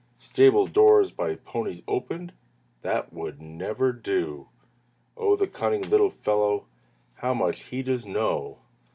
Stable doors by ponies opened? That would never do!" "Oh! the cunning little fellow! How much he does know!"